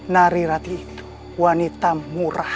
nari rati itu wanita murah